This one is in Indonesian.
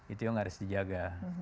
itu yang harus dijaga